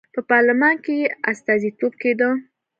په پارلمان کې یې استازیتوب کېده.